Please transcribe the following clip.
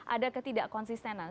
ada ketidak konsistenan